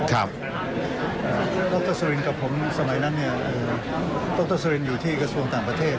รัฐบาลสุลินกับผมสมัยนั้นรัฐบาลสุลินอยู่ที่กระทรวงต่างประเทศ